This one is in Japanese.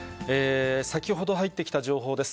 先ほど入ってきた情報です。